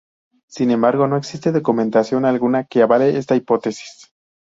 Sin embargo, no existe documentación alguna que avale esta hipótesis.